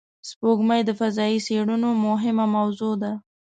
سپوږمۍ د فضایي څېړنو مهمه موضوع ده